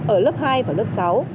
ở lớp hai và lớp sáu